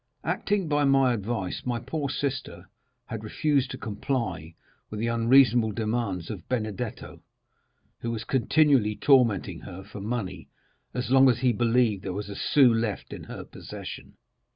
Acting by my advice, my poor sister had refused to comply with the unreasonable demands of Benedetto, who was continually tormenting her for money, as long as he believed there was a sou left in her possession.